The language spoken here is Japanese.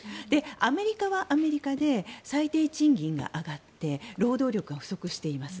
アメリカはアメリカで最低賃金が上がって労働力が不足しています。